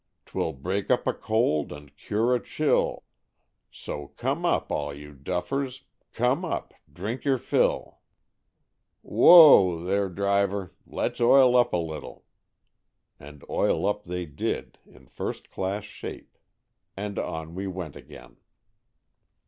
'Twill break up a cold and cure a chill; So come up all you duffers, Come up, drink your fill." 60 Stories from the Adirondack^ "Whoa, there, driver, let's oil up a little." And "oil up" they did in first class shape, and on we went again.